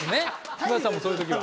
柴田さんもそういう時は。